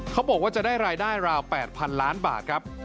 เขาบอกว่าจะได้รายได้ราว๘๐๐๐ล้านบาทครับ